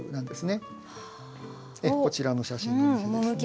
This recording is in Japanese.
こちらの写真のお店ですね。